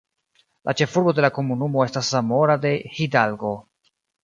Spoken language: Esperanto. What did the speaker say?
La ĉefurbo de la komunumo estas Zamora de Hidalgo.